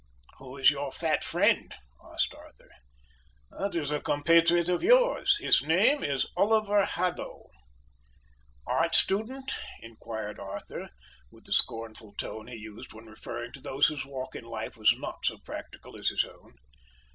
"Who is your fat friend?" asked Arthur. "That is a compatriot of yours. His name is Oliver Haddo." "Art student?" inquired Arthur, with the scornful tone he used when referring to those whose walk in life was not so practical as his own.